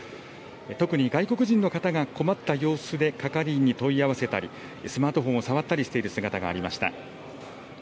特に外国人の方が困った様子で係員に問い合わせたりスマートフォンを触ったりしている姿がありました。